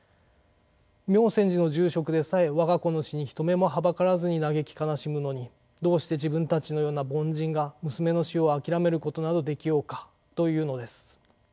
明専寺の住職でさえ我が子の死に人目もはばからずに嘆き悲しむのにどうして自分たちのような凡人が娘の死を諦めることなどできようかというのです。